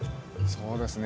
そうですね